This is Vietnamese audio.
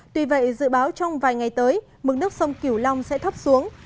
tuy vậy dự báo trong vài ngày tới mực nước sông kiều long sẽ thấp xuống